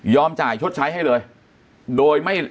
ยอมจ่ายชดใช้ให้เลย